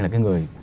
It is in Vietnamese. là cái người